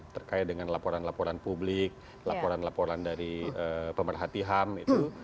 terkait dengan laporan laporan publik laporan laporan dari pemerhati ham itu